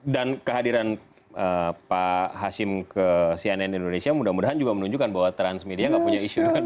dan kehadiran pak hasim ke cnn indonesia mudah mudahan juga menunjukkan bahwa transmedia enggak punya isu